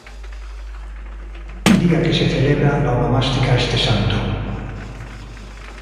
Día que se celebra la onomástica este santo.